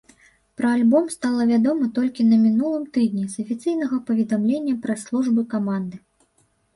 Пра альбом стала вядома толькі на мінулым тыдні з афіцыйнага паведамлення прэс-службы каманды.